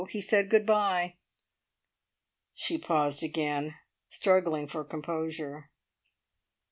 He said good bye." She paused again, struggling for composure.